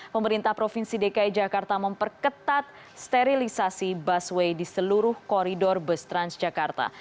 pemerintah provinsi dki jakarta memperketat sterilisasi busway di seluruh koridor bus transjakarta